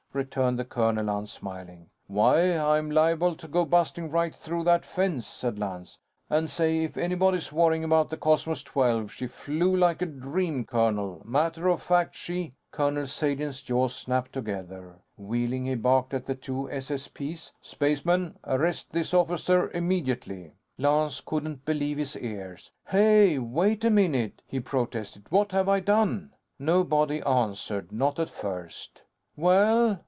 returned the colonel, unsmiling. "Why I'm liable to go busting right through that fence," said Lance. "And say, if anybody's worrying about the Cosmos XII, she flew like a dream, colonel. Matter of fact, she " Colonel Sagen's jaws snapped together. Wheeling, he barked at the two SSP's: "Spacemen, arrest this officer! Immediately!" Lance couldn't believe his ears. "Hey, wait a minute!" he protested. "What have I done?" Nobody answered. Not at first. "Well?"